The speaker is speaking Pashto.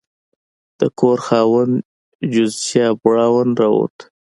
د کور خاوند جوزیا براون راووت.